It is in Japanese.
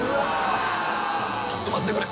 ちょっと待ってくれ！